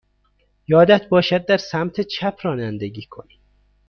یادت باشد در سمت چپ رانندگی کنی.